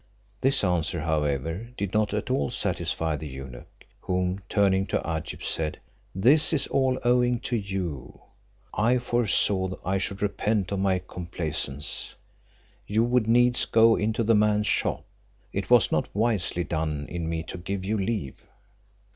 This answer, however, did not at all satisfy the eunuch, who turning to Agib, said, "This is all owing to you; I foresaw I should repent of my complaisance; you would needs go into the man's shop; it was not wisely done in me to give you leave."